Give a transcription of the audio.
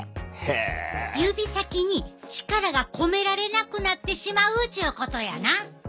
指先に力が込められなくなってしまうちゅうことやな！